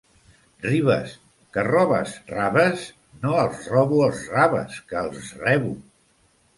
Ribes, que robes raves? —No els robo, els raves, que els rebo.